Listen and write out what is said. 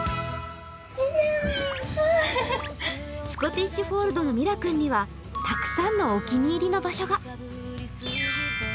スコテッシュフォールドのミラ君にはたくさんのお気に入りの場所が。